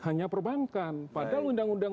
hanya perbankan padahal undang undang